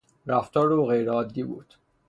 رفتار او غیر عادی بود.